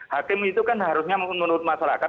hakim itu kan harusnya menurut masyarakat